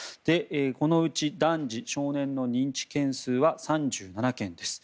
このうち男児、少年の認知件数は３７件です。